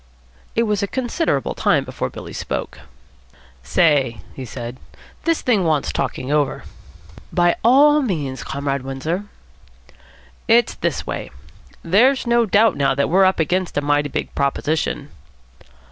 It was a considerable time before Billy spoke. "Say," he said, "this thing wants talking over." "By all means, Comrade Windsor." "It's this way. There's no doubt now that we're up against a mighty big proposition."